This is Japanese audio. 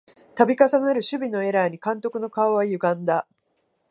たび重なる守備のエラーに監督の顔はゆがんだ